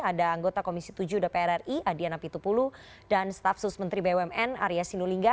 ada anggota komisi tujuh udprri adhiana pitupulu dan staff susmentri bumn arya sinulinga